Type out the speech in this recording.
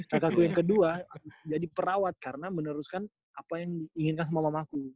kakakku yang kedua jadi perawat karena meneruskan apa yang diinginkan sama mamaku